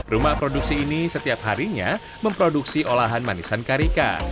rumah produksi ini setiap harinya memproduksi olahan manisan karika